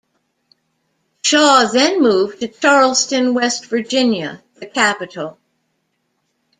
Shaw then moved to Charleston, West Virginia, the capital.